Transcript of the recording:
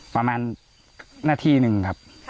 ประมาณนาทีหนึ่งครับ